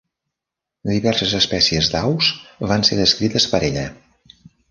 Diverses espècies d'aus van ser descrites per ella.